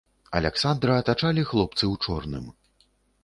Аляксандра атачалі хлопцы ў чорным.